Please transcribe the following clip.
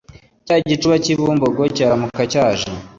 Cya gicuba k’i Bumbogo cyaramuka cyaje